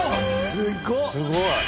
すごい。